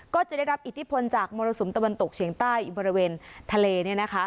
ก็จะได้รับอิทธิพลจากมรสุมตะวันตกเฉียงใต้บริเวณทะเลเนี่ยนะคะ